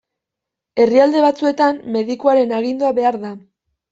Herrialde batzuetan medikuaren agindua behar da.